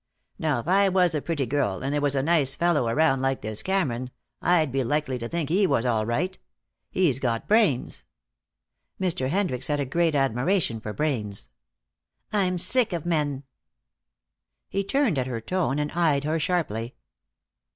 Now if I was a pretty girl, and there was a nice fellow around like this Cameron, I'd be likely to think he was all right. He's got brains." Mr. Hendricks had a great admiration for brains. "I'm sick of men." He turned at her tone and eyed her sharply.